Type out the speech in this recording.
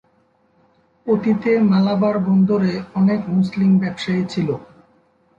অতীতে মালাবার বন্দরে অনেক মুসলিম ব্যবসায়ী ছিল।